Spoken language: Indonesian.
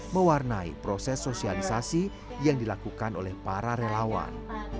mewarnai proses sosialisasi yang dilakukan oleh para relawan